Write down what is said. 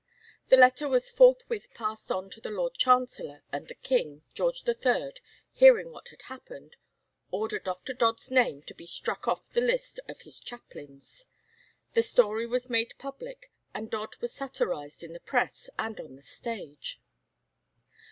The letter was forthwith passed on to the Lord Chancellor, and the King, George III., hearing what had happened, ordered Dr. Dodd's name to be struck off the list of his chaplains. The story was made public, and Dodd was satirized in the press and on the stage.